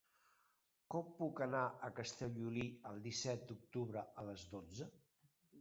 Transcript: Com puc anar a Castellolí el disset d'octubre a les dotze?